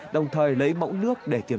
đồng thời lấy mẫu nước để tiêu diệt